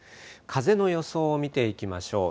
風の予想を見ていきましょう。